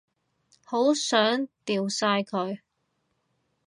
好想掉晒佢